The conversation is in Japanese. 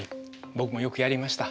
僕もよくやりました。